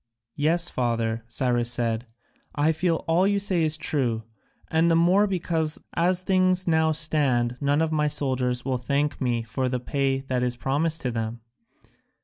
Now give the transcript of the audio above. "Yes, father," Cyrus said, "I feel all you say is true, and the more because as things now stand none of my soldiers will thank me for the pay that is promised them.